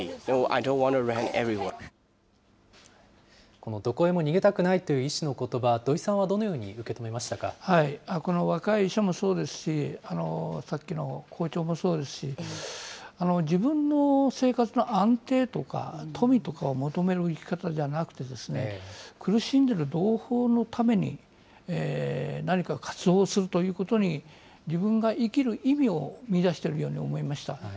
このどこへも逃げたくないという医師のことば、土井さんはどこの若い人もそうですし、さっきの校長もそうですし、自分の生活の安定とか、富とかを求める生き方じゃなくて、苦しんでる同胞のために何か活動をするということに、自分が生きる意味を見いだしているように思いました。